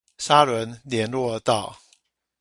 沙崙連絡道